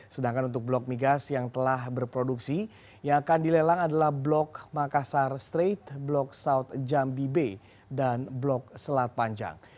sedangkan untuk blok migas yang telah berproduksi yang akan dilelang adalah blok makassar straight blok south jambi b dan blok selat panjang